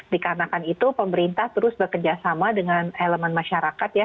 dikarenakan itu pemerintah terus bekerjasama dengan elemen masyarakat ya